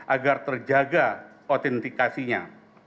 agar terjaga otentikasinya